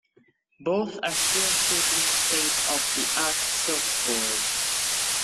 Both are still shaping state of the art surfboards.